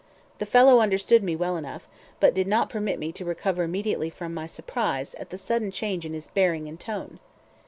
The fellow understood me well enough, but did not permit me to recover immediately from my surprise at the sudden change in his bearing and tone.